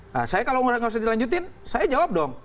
nah saya kalau nggak usah dilanjutin saya jawab dong